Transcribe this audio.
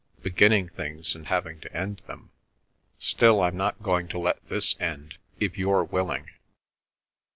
"Beginning things and having to end them. Still, I'm not going to let this end, if you're willing."